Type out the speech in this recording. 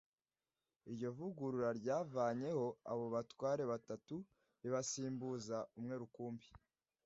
iryo vugurura ryavanyeho abo batware batatu ribasimbuza umwe rukumbi,